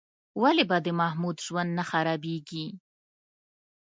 ولې به د محمود ژوند نه خرابېږي؟